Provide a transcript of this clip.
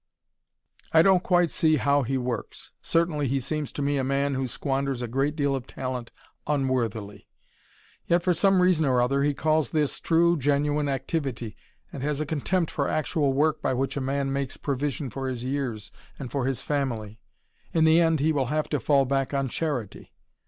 I don't quite see how he works. Certainly he seems to me a man who squanders a great deal of talent unworthily. Yet for some reason or other he calls this true, genuine activity, and has a contempt for actual work by which a man makes provision for his years and for his family. In the end, he will have to fall back on charity.